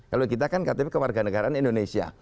kalau kita kan ktp kewarganegaraan indonesia